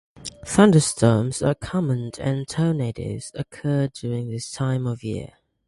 Thunderstorms are common and tornadoes occur during this time of year.